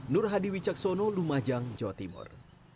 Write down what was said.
nur hadi wicaksono lumajang jawa timur